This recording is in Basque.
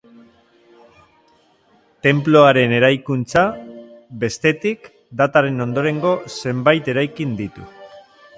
Tenpluaren eraikuntza, bestetik, dataren ondorengo zenbait eraikin ditu.